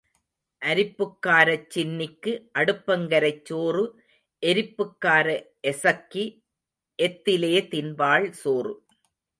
அரிப்புக்காரச் சின்னிக்கு அடுப்பங்கரைச் சோறு எரிப்புக்கார எசக்கி எத்திலே தின்பாள் சோறு.